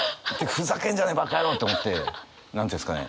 ふざけんじゃねえバカヤロウって思って何て言うんですかね？